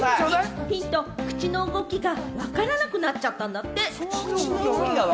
口の動きがわからなくなっちゃったんだって。